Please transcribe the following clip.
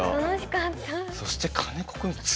そして金子君強。